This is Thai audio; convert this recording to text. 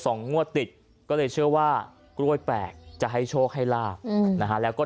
สองงั่วติดก็เลยเชื่อว่ากล้วยแปลกจะให้โชคให้ราบนะแล้วก็